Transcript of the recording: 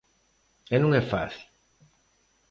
E non é fácil.